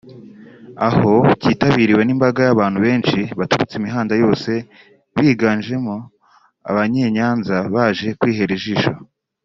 aho kitabiriwe n’imbaga y’abantu benshi baturutse imihanda yose bigajemo Abanyenyanza baje kwihera ijisho